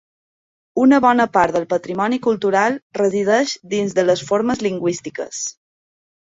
Una bona part del patrimoni cultural resideix dins de les formes lingüístiques.